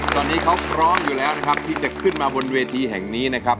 ตอนนี้เขาพร้อมอยู่แล้วนะครับที่จะขึ้นมาบนเวทีแห่งนี้นะครับ